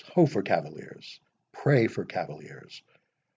Ho for cavaliers! Pray for cavaliers!